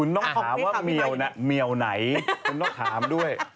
หน้าถามว่าเมี่วไหนคุณต้องถามด้วย